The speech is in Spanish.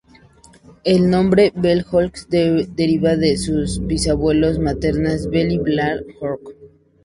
El nombre "bell hooks" deriva del de su bisabuela materna, Bell Blair Hooks.